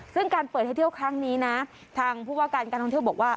ซึ่งการเปิดให้เที่ยวครั้งนี้นะทางผู้ว่าการการท่องเที่ยวบอกว่า